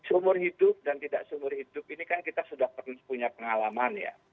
seumur hidup dan tidak seumur hidup ini kan kita sudah pernah punya pengalaman ya